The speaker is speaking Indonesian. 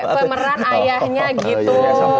ini pemeran ayahnya gitu